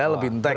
ya lebih intelek